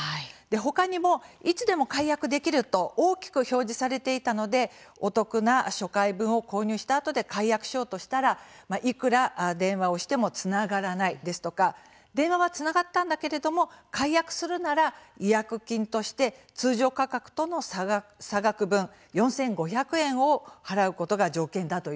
ほかにも、いつでも解約できると大きく表示されていたのでお得な初回分を購入したあとで解約しようとしたらいくら電話をしてもつながらないですとか電話はつながったんだけれども解約するなら違約金として通常価格との差額分４５００円を払うことが条件だと言われた。